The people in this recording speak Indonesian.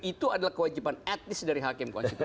itu adalah kewajiban etnis dari hakim konstitusi